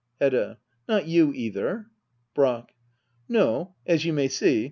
Hedda. Not you, either ? Brack. No, as you may see.